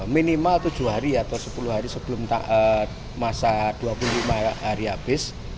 minimal tujuh hari atau sepuluh hari sebelum masa dua puluh lima hari habis